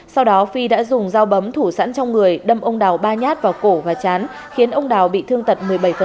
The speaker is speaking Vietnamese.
sau đó phi đã dùng dao bấm thủ sẵn trong người đâm ông đào ba nhát vào cổ và chán khiến ông đào bị thương tật một mươi bảy